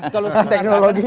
kalau saya mengatakan